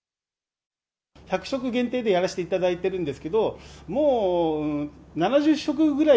１００食限定でやらせていただいてるんですけど、もう７０食ぐらい。